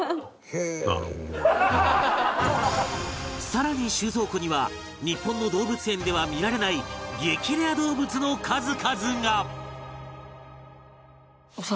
更に収蔵庫には日本の動物園では見られない激レア動物の数々が